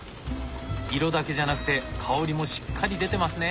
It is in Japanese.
色だけじゃなくて香りもしっかり出てますね。